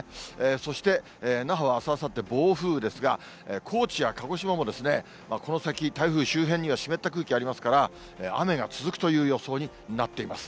そして、那覇は、あす、あさって暴風雨ですが、高知や鹿児島も、この先、台風周辺には湿った空気がありますから、ありますから、雨が続くという予想になっています。